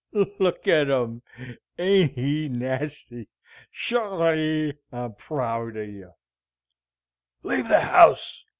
"Look at 'm! Ain't he nasty? Sha'ls, I'm prow of yer!" "Leave the house!"